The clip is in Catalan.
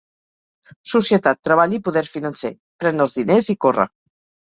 Societat, treball i poder financer; Pren els diners i corre.